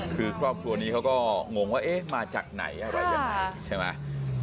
คือครอบครัวนี้เขาก็งงว่าเอ๊ะมาจากไหนอะไรยังไงใช่ไหม